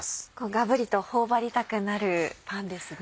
がぶりと頬張りたくなるパンですね。